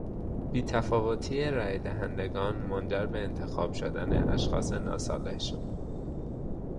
بیتفاوتی رای دهندگانمنجر به انتخاب شدن اشخاص ناصالح شد.